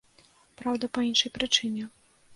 Праўда, па іншай прычыне.